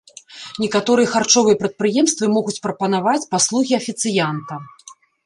Некаторыя харчовыя прадпрыемствы могуць прапанаваць паслугі афіцыянта.